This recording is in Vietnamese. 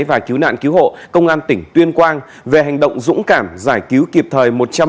và cứu nạn cứu hộ công an tỉnh tuyên quang về hành động dũng cảm giải cứu kịp thời